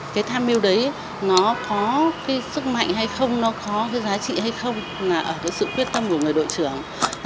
cái tham mưu đấy nó có cái sức mạnh hay không nó có cái giá trị hay không là ở cái sự quyết tâm của người đội trưởng